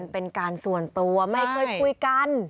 เป็นการส่วนตัวไม่เคยคุยกัน